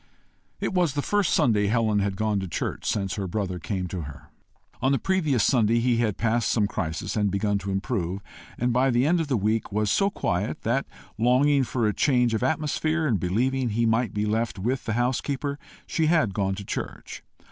It was the first Sunday Helen had gone to church since her brother came to her. On the previous Sunday he had passed some crisis and begun to improve, and by the end of the week was so quiet, that longing for a change of atmosphere, and believing he might be left with the housekeeper, she had gone to church.